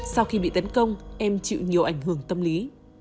sau khi bị tấn công em chịu nhiều ảnh hưởng tâm lý